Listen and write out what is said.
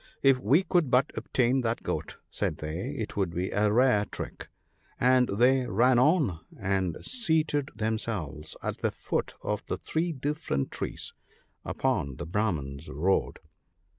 " If we could but obtain that goat," said they, "it would be a rare trick;" and they ran on, and seated themselves at the foot of three different trees upon the Brahman's road.